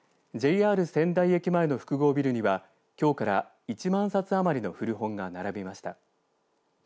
仙台駅前の複合ビルにはきょうから１万冊余りの古本が並びました。